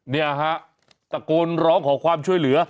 เนี่ยฮะตะโกนร้องขอความช่วยเหลือ